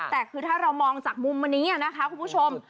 แต่คือถ้าเรามองจากมุมอันนี้นะคะคุณผู้ชม